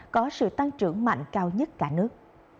có sự tăng trưởng mạnh cao nhất cả nước